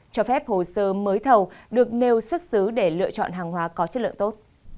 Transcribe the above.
cho phép hồ sơ mới thầu được nêu xuất xứ để lựa chọn hàng hóa có chất lượng tốt